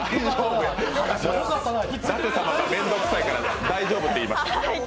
舘様が面倒くさいから「大丈夫」って言いました。